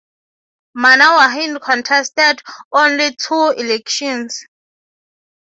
Mana Wahine contested only two elections.